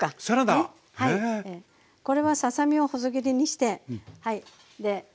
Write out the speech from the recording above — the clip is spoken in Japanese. これはささ身を細切りにしてはい。